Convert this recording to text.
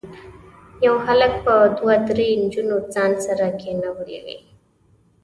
یو هلک به دوه درې نجونې ځان سره کېنولي وي.